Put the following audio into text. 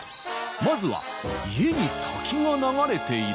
まずは家に滝が流れている！？